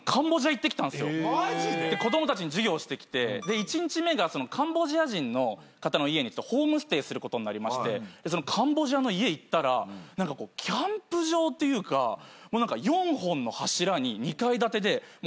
１日目がカンボジア人の方の家にホームステイすることになりましてカンボジアの家行ったら何かこうキャンプ場というか何か４本の柱に２階建てで１階全部外なんすよ。